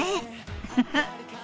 フフフ。